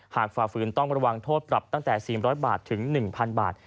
ฝ่าฝืนต้องระวังโทษปรับตั้งแต่๔๐๐บาทถึง๑๐๐บาท